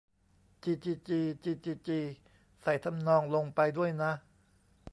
จี จี จี จี จี จี ใส่ทำนองลงไปด้วยนะ